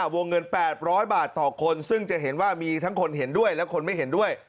วงเงิน๘๐๐บาทต่อคนซึ่งจะเห็นว่ามีทั้งคนเห็นด้วยและคนไม่เห็นด้วย